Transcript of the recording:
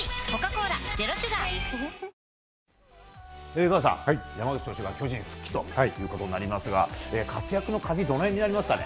江川さん、山口投手が巨人復帰となりますが活躍の鍵はどの辺になりますかね？